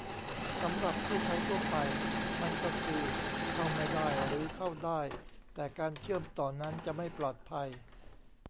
สำหรับผู้ใช้ทั่วไปมันก็คือ "เข้าไม่ได้" หรือเข้าได้แต่การเชื่อมต่อนั้นจะไม่ปลอดภัย